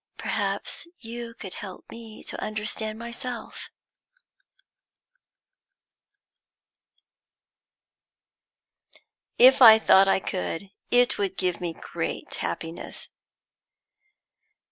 Perhaps you could help me to understand myself." "If I thought I could, it would give me great happiness."